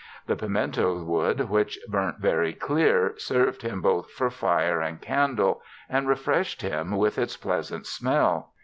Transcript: The piemento ^ wood, which burnt very clear, serv'd him both for fire and candle, and refreshed him with it's pleasant smell.